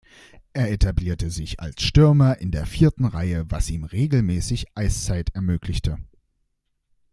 Er etablierte sich als Stürmer in der vierten Reihe, was ihm regelmäßige Eiszeit ermöglichte.